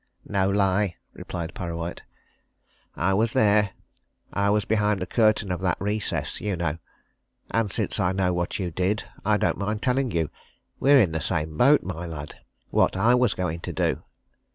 "No lie," replied Parrawhite. "I was there. I was behind the curtain of that recess you know. And since I know what you did, I don't mind telling you we're in the same boat, my lad! what I was going to do.